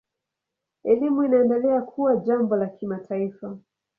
Elimu inaendelea kuwa jambo la kimataifa.